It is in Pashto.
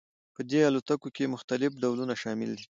په دې الوتکو کې مختلف ډولونه شامل دي